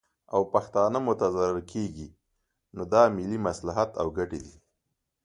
او پښتانه متضرر کیږي، نو دا ملي مصلحت او ګټې دي